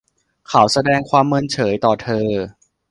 เขาแสดงความเมินเฉยต่อเธอ